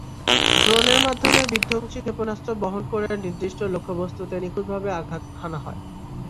ড্রোনের মাধ্যমে বিধ্বংসী ক্ষেপণাস্ত্র বহন করে নির্দিষ্ট লক্ষ্যবস্তুতে নিখুঁতভাবে আঘাত হানা হয়।